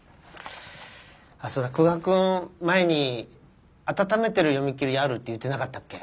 あっそうだ久我君前に温めてる読み切りあるって言ってなかったっけ？